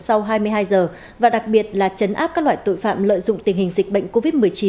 sau hai mươi hai giờ và đặc biệt là chấn áp các loại tội phạm lợi dụng tình hình dịch bệnh covid một mươi chín